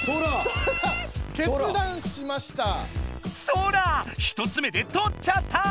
ソラ１つ目で取っちゃった！